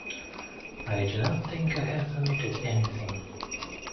I do not think I have omitted anything.